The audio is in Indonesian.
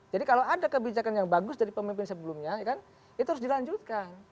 jadi kalau ada kebijakan yang bagus dari pemimpin sebelumnya itu harus dilanjutkan